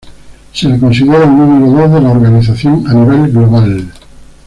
Se le considera el número dos de la organización a nivel global.